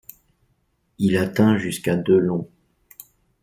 Il atteint jusqu'à de long.